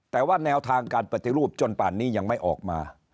แต่ว่าแนวทางการปฏิรูปจนป่านนี้ยังไม่ออกมา